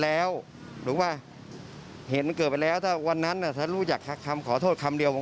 เพราะสีเดียวกันถูกปะเขาโทษสีเดียวกัน